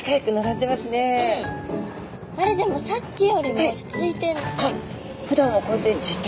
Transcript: でもさっきよりも落ち着いて。